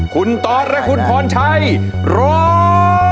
คุณตอสและคุณพรชัยร้อง